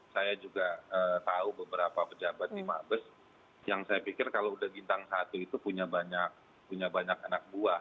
saya juga tahu beberapa pejabat di mabes yang saya pikir kalau udah bintang satu itu punya banyak anak buah